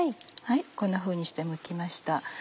こんなふうにしてむきました。